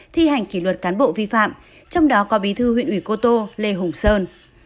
thi hành kỷ luật cán bộ vi phạm trong đó có bí thư huyện ủy cô tô lê hùng sơn